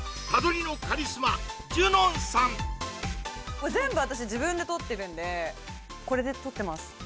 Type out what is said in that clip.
これ全部私自分で撮ってるんでこれで撮ってます